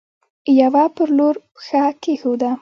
يوه پر لور پښه کيښوده.